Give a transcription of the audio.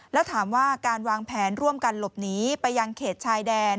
แล้วถามว่าการวางแผนร่วมกันหลบหนีไปยังเขตชายแดน